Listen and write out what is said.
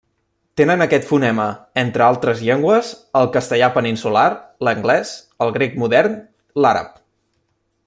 Tenen aquest fonema entre altres llengües: el castellà peninsular, l'anglès, el grec modern, l'àrab.